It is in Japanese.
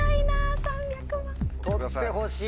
獲ってほしい！